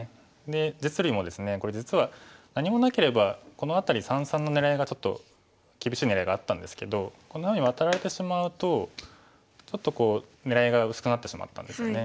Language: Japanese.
で実利もですねこれ実は何もなければこの辺り三々の狙いがちょっと厳しい狙いがあったんですけどこんなふうにワタられてしまうとちょっと狙いが薄くなってしまったんですよね。